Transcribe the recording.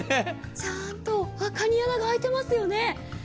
ちゃんとかに穴が開いてますよね。